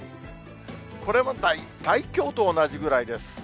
これも大体、きょうと同じぐらいです。